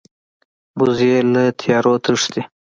وزې له تیارو تښتي